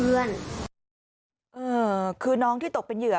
เออคือน้องที่ตกเป็นเหยื่อ